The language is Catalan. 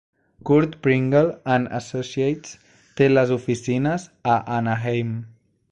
Curt Pringle and Associates té les oficines a Anaheim.